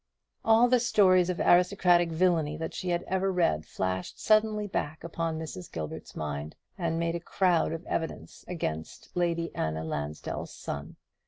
All the stories of aristocratic villany that she had ever read flashed suddenly back upon Mrs. Gilbert's mind, and made a crowd of evidence against Lady Anna Lansdell's son.